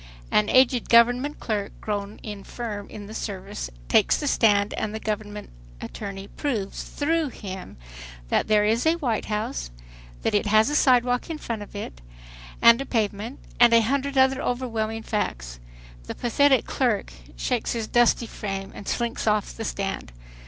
An aged government clerk, grown infirm in the service, takes the stand and the government attorney proves through him that there is a White House; that it has a side walk in front of it, and a pavement, and a hundred other overwhelming facts. The pathetic clerk shakes his dusty frame and slinks off the stand.